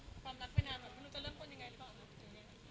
มันรู้จะเริ่มคนยังไงหรือเปล่า